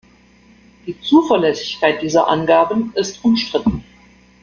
Die Zuverlässigkeit dieser Angaben ist umstritten.